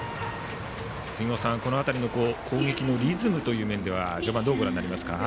杉本さん、この辺りの攻撃のリズムという面では序盤、どうご覧になりますか。